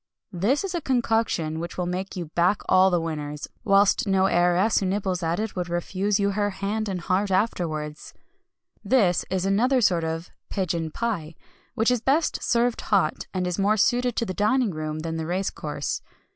This is a concoction which will make you back all the winners; whilst no heiress who nibbles at it would refuse you her hand and heart afterwards. This is another sort of Pigeon Pie which is best served hot, and is more suited to the dining room than the race course.